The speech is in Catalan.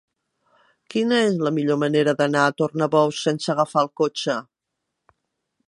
Quina és la millor manera d'anar a Tornabous sense agafar el cotxe?